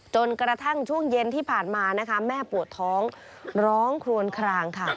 จนกระทั่งช่วงเย็นที่ผ่านมานะคะแม่ปวดท้องร้องครวนคลางค่ะ